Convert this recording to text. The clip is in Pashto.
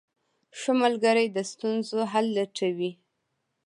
ښه ملګری د ستونزو حل لټوي.